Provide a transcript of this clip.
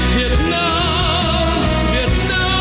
việt nam việt nam